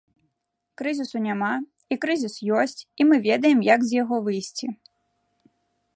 Крызісу няма, і крызіс ёсць, і мы ведаем, як з яго выйсці.